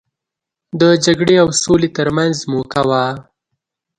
د جګړې او سولې ترمنځ موکه وه.